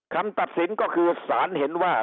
คำตัดสินก็คือสารเห็นว่า